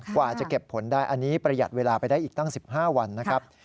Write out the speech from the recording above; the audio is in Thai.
กว่าจะเก็บผลได้อันนี้ประหยัดเวลาไปได้อีกตั้ง๑๕วันนะครับ